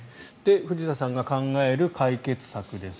藤田さんが考える解決策です。